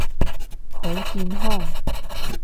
好健康！